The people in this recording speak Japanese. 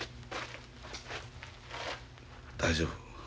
大丈夫？